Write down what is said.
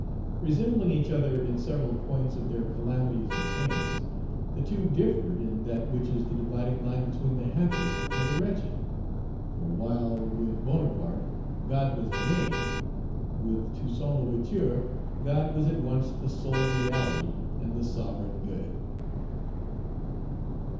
Resembling each other in several points of their calamities and pains, the two differed in that Page 292 which is the dividing line between the happy and the wretched; for, while, with Bonaparte, God was a name, with Toussaint L'Ouverture, God was at once the sole reality and the sovereign good.